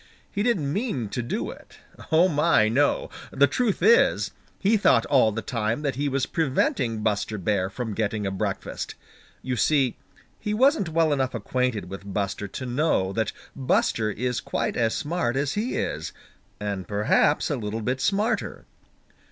He didn't mean to do it. Oh, my, no! The truth is, he thought all the time that he was preventing Buster Bear from getting a breakfast. You see he wasn't well enough acquainted with Buster to know that Buster is quite as smart as he is, and perhaps a little bit smarter.